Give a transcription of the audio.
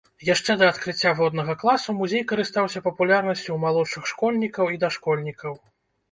Яшчэ да адкрыцця воднага класу музей карыстаўся папулярнасцю ў малодшых школьнікаў і дашкольнікаў.